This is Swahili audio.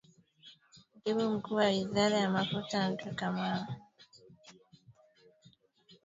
Katibu Mkuu wa Wizara ya Mafuta Andrew Kamau alisema kuwa serikali inatathmini